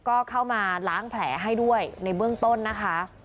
ก็เข้ามาล้างแผลให้ด้วยในเบื้องต้นนะคะ